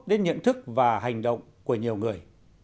đến nhận thức và hành động của nhiều người